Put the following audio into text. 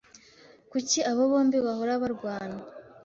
Kuki aba bombi bahora barwana?